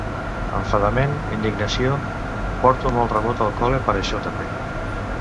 Enfadament, indignació: Porto molt rebot al cole per això també.